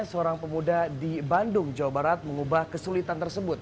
seorang pemuda di bandung jawa barat mengubah kesulitan tersebut